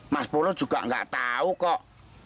mas bono juga nggak tahu kok